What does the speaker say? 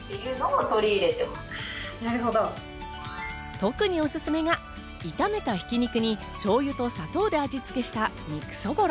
特におすすめが炒めたひき肉にしょうゆと砂糖で味つけした肉そぼろ。